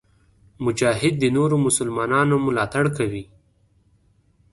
مجاهد د نورو مسلمانانو ملاتړ کوي.